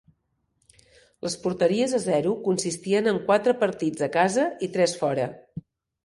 Les porteries a zero consistien en quatre partits a casa i tres fora.